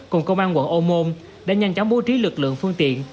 cùng công an quận ô môn đã nhanh chóng bố trí lực lượng phương tiện